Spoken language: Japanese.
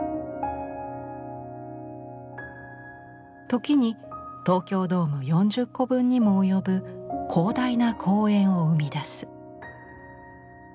時に東京ドーム４０個分にも及ぶ広大な公園を生み出す。